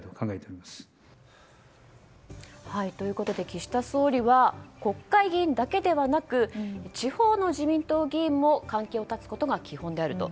岸田総理は国会議員だけではなく地方の自民党議員も関係を断つことが基本であると。